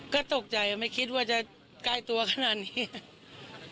ก็ตกใจไม่คิดว่าจะใกล้ตัวขนาดนี้